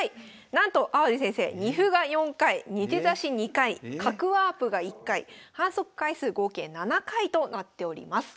なんと淡路先生二歩が４回二手指し２回角ワープが１回反則回数合計７回となっております。